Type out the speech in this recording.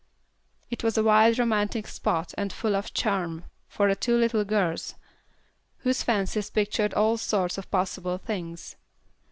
It was a wild, romantic spot and full of charm for the two little girls whose fancies pictured all sorts of possible things.